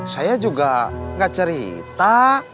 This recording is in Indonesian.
saya juga gak cerita